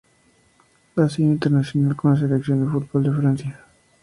Ha sido internacional con la selección de fútbol de Francia.